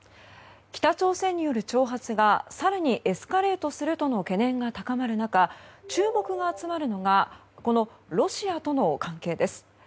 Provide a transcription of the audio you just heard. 北朝鮮による挑発が更にエスカレートするとの懸念が高まる中注目が集まるのがこのロシアとの関係です。